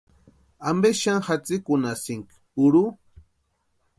¿Ampe xani jatsikunhasïnki purhu?